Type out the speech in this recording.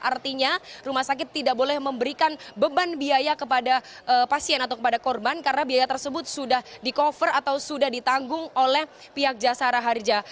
artinya rumah sakit tidak boleh memberikan beban biaya kepada pasien atau kepada korban karena biaya tersebut sudah di cover atau sudah ditanggung oleh pihak jasara harja